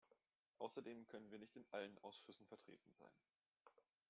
Außerdem können wir nicht in allen Ausschüssen vertreten sein.